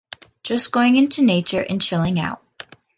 Just going into nature and chilling out!